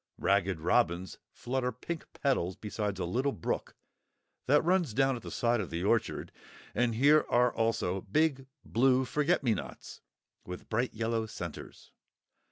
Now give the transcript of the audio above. Ragged Robins flutter pink petals beside a little brook that runs down at the side of the orchard; and here are also big blue forget me nots, with bright yellow centres.